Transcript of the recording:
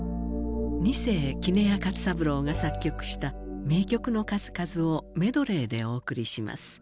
二世杵屋勝三郎が作曲した名曲の数々をメドレーでお送りします。